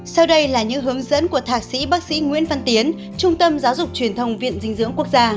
sau đây là những hướng dẫn của thạc sĩ bác sĩ nguyễn văn tiến trung tâm giáo dục truyền thông viện dinh dưỡng quốc gia